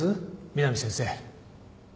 美南先生。